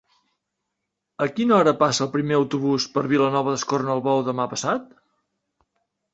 A quina hora passa el primer autobús per Vilanova d'Escornalbou demà passat?